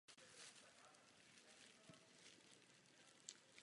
Město se postupně stávalo předměstím Beerševy.